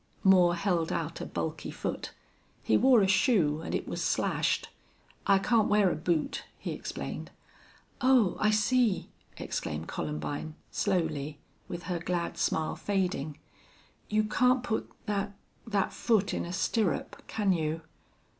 Moore held out a bulky foot. He wore a shoe, and it was slashed. "I can't wear a boot," he explained. "Oh, I see!" exclaimed Columbine, slowly, with her glad smile fading. "You can't put that that foot in a stirrup, can you?"